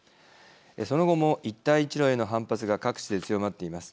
その後も一帯一路への反発が各地で強まっています。